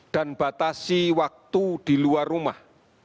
dan batasi waktu di luar rumah